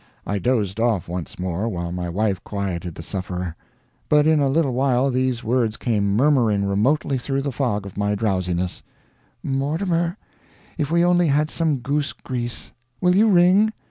I dozed off once more, while my wife quieted the sufferer. But in a little while these words came murmuring remotely through the fog of my drowsiness: "Mortimer, if we only had some goose grease will you ring?"